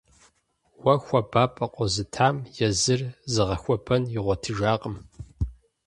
Уэ хуабапӀэ къозытам езыр зыгъэхуэбэн игъуэтыжакъым.